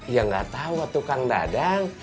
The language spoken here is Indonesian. ya nggak tahu tukang dadang